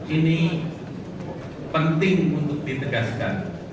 ini penting untuk ditegaskan